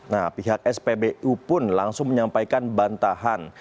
nah pihak spbu pun langsung menyampaikan bantahan